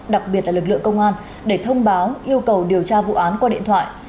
đặc biệt là lực lượng công an để thông báo yêu cầu điều tra vụ án qua điện thoại